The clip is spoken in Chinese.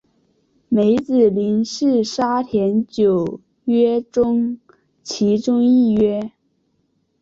梅子林是沙田九约中其中一约。